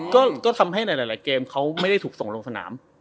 ก็ทำให้หลายเกมเขาไม่ได้ถูกส่งลงสนาม